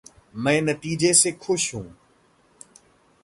मैं नतीजे से खुश हूँ।